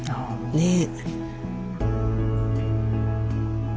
ねえ。